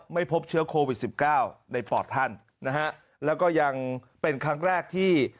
ไม่พบเชื้อโควิดสิบเก้าในปอดท่านนะฮะแล้วก็ยังเป็นครั้งแรกที่